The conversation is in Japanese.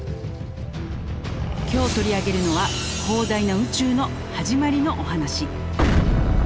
今日取り上げるのは広大な宇宙のはじまりのお話。